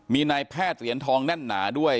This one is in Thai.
มีนายแพทย์เหรียญทองแน่นหนาด้วย